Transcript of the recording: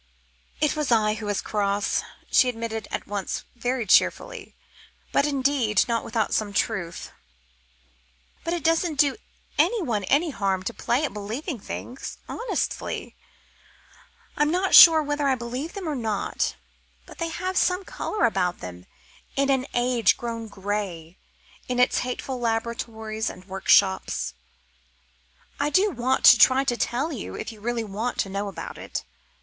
"It was I who was cross," she admitted at once very cheerfully, but, indeed, not without some truth. "But it doesn't do anyone any harm to play at believing things; honestly, I'm not sure whether I believe them or not, but they have some colour about them in an age grown grey in its hateful laboratories and workshops. I do want to try to tell you if you really want to know about it.